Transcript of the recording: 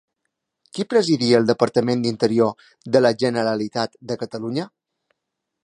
Qui presidia el departament d'Interior de la Generalitat de Catalunya?